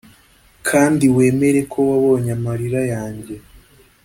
kandi wemere ko wabonye amarira yanjye.